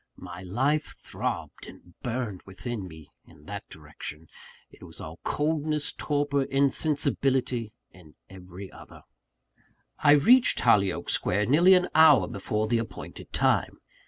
My life throbbed and burned within me, in that direction: it was all coldness, torpor, insensibility, in every other. I reached Hollyoake Square nearly an hour before the appointed time.